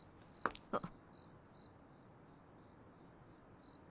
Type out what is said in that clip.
あっ。